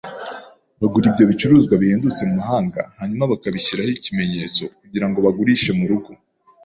Bagura ibyo bicuruzwa bihendutse mumahanga hanyuma bakabishyiraho ikimenyetso kugirango bagurishe murugo.